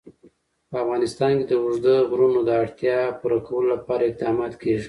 په افغانستان کې د اوږده غرونه د اړتیاوو پوره کولو لپاره اقدامات کېږي.